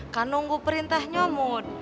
kan nunggu perintah nyamud